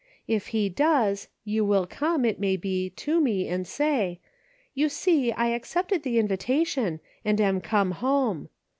If He does, you will come, it may be, to me and say: " You see I accepted the invitation, and am come home."